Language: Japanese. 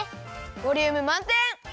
ボリュームまんてん！